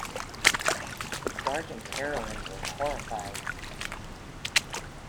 George and Caroline were horrified.